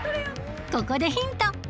ここでヒント